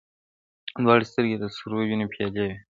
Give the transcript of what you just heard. دواړي سترګي یې د سرو وینو پیالې وې-